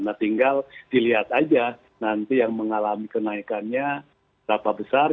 nah tinggal dilihat aja nanti yang mengalami kenaikannya berapa besar